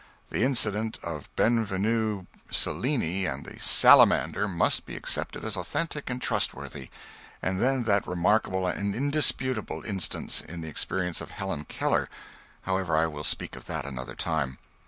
The incident of Benvenuto Cellini and the salamander must be accepted as authentic and trustworthy; and then that remarkable and indisputable instance in the experience of Helen Keller however, I will speak of that at another time.